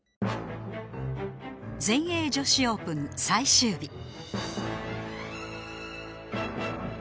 全英女子オープン最終日。